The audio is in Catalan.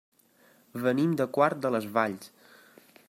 Venim de Quart de les Valls.